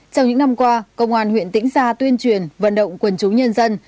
trong những năm qua công an huyện tĩnh gia tuyên truyền vận động quần chúng nhân dân